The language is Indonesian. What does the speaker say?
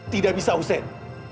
tidak bisa hussein